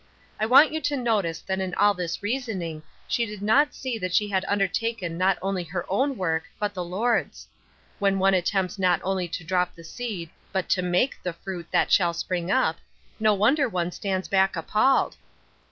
I want you to notice that in all this reasoning she did not see that she had undertaken not only her own work but the Lord's. When one attempts not only to drop the seed, but to make the fruit that shall spring up, no wonder one stands back appalled!